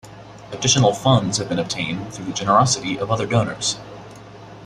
Additional funds have been obtained through the generosity of other donors.